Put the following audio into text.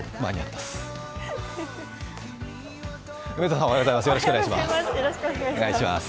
梅澤さん、おはようございます。